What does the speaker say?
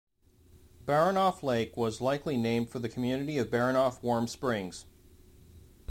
Baranof Lake was likely named for the community of Baranof Warm Springs.